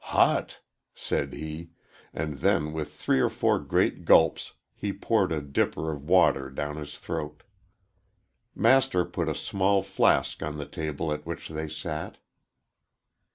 "Hot!" said he, and then with three or four great gulps he poured a dipper of water down his throat. Master put a small flask on the table at which they sat.